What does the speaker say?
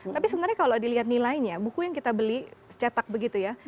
tapi sebenarnya kalau dilihat nilainya buku yang kita beli cetak begitu ya